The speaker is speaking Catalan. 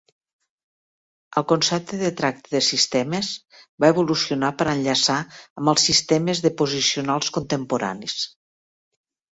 El concepte del tracte de sistemes va evolucionar per enllaçar amb els sistemes deposicionals contemporanis.